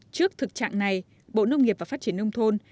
trước thực trạng này bộ nông nghiệp và phát triển nông thôn